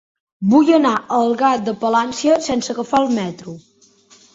Vull anar a Algar de Palància sense agafar el metro.